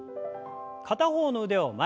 片方の腕を前に。